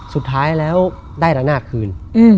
สุดท้ายแล้วได้ระนาคคืน